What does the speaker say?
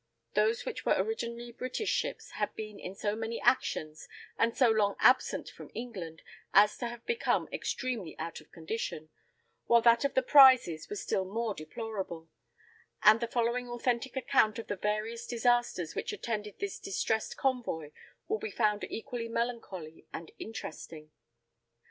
Those which were originally British ships had been in so many actions, and so long absent from England, as to have become extremely out of condition, while that of the prizes was still more deplorable, and the following authentic account of the various disasters which attended this distressed convoy will be found equally melancholy and interesting.